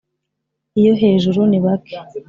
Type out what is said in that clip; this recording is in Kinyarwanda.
'iyo hejuru ni bake'